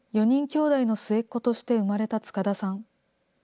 ４人きょうだいの末っ子として生まれた塚田さん。